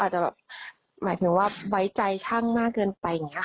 หมายถึงว่าไว้ใจช่างน่าเกินไป